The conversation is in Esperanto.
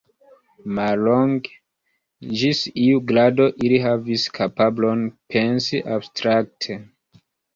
Mallonge, ĝis iu grado ili havis kapablon pensi abstrakte.